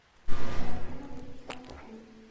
O carro finalmente está aqui.